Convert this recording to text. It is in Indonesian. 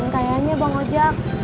kayaknya bang ojek